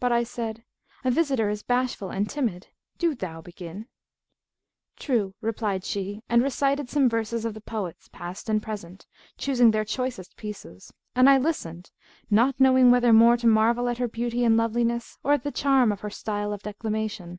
But I said, 'A visitor is bashful and timid; do thou begin.' 'True,' replied she and recited some verses of the poets, past and present, choosing their choicest pieces; and I listened not knowing whether more to marvel at her beauty and loveliness or at the charm of her style of declamation.